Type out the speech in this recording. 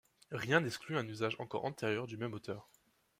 Rien n'exclut un usage encore antérieur du même auteur.